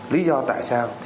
lý do tại sao